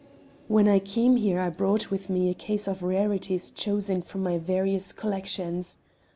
"When I came here, I brought with me a case of rarities chosen from my various collections.